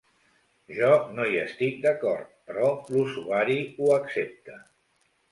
Jo no hi estic d’acord, però l’usuari ho accepta.